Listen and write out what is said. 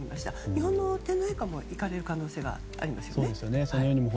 日本の天皇陛下も行かれる可能性がありますよね。